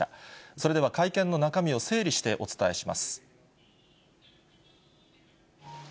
それでは会見の中身を整理してお伝えします。